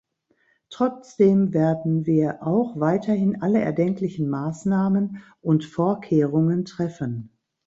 Trotzdem werden wir auch weiterhin alle erdenklichen Maßnahmen und Vorkehrungen treffen.